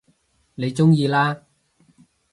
你鍾意啦